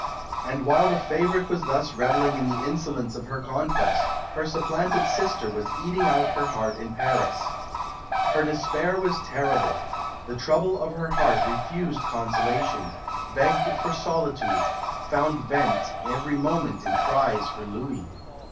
And while the favourite was thus revelling in the insolence of her conquest, her supplanted sister was eating out her heart in Paris. "Her despair was terrible; the trouble of her heart refused consolation, begged for solitude, found vent every moment in cries for Louis.